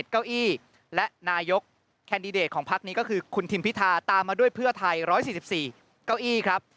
เก้าอี้และนายกแคนดิเดตของพักนี้ก็คือคุณทิมพิธาตามมาด้วยเพื่อไทย๑๔๔เก้าอี้ครับ